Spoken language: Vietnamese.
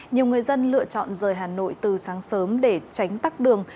nhiều người dân lựa chọn rời hà nội từ sáng sớm để tránh tắc đường